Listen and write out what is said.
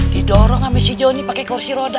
didorong sama si johnny pakai kursi roda